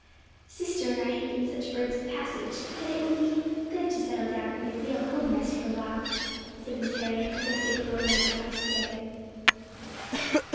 "Sister and I have been such birds of passage, that it will seem good to settle down in a real home nest for a while," said Miss Harriet, as they were going over the house together.